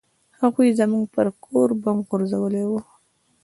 هغوى زموږ پر کور بم غورځولى و.